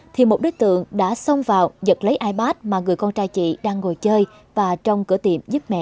thì một đối tượng đã xông vào giật lấy ipad mà người con trai chị đang ngồi chơi và trong cửa tiệm giúp mẹ